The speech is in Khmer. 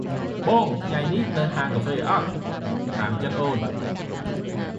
«បង ថ្ងៃនេះទៅហាងកាហ្វេអត់?» «តាមចិត្តអូន។»